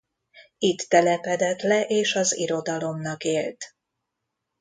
Itt telepedett le és az irodalomnak élt.